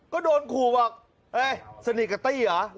ก็โดนขู่ว่าสนิทกับตี้เหรอ